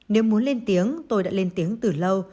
nếu muốn lên tiếng tôi đã lên tiếng từ lâu